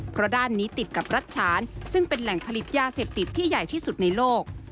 เพราะด้านนี้ติดกับรัฐฉานซึ่งเป็นแหล่งผลิตยาเสพติดที่ใหญ่ที่สุดในโลก